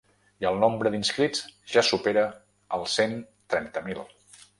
I el nombre d’inscrits ja supera els cent trenta mil.